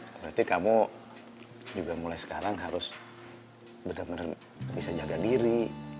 berarti kamu juga mulai sekarang harus benar benar bisa jaga diri